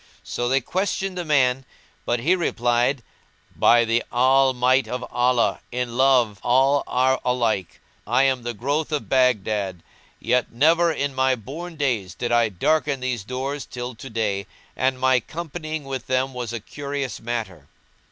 So they questioned the man but he replied, "By the All might of Allah, in love all are alike![FN#185] I am the growth of Baghdad, yet never in my born days did I darken these doors till to day and my companying with them was a curious matter."